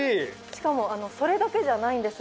しかもそれだけじゃないんです。